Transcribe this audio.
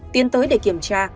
tiến tới để kiểm tra